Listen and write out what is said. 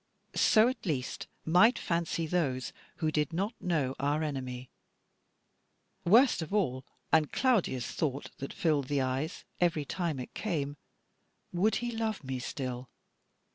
So at least might fancy those who did not know our enemy. Worst of all, and cloudiest thought, that filled the eyes every time it came, would he love me still?